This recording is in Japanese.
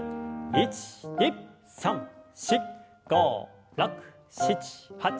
１２３４５６７８。